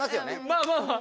まあまあまあ。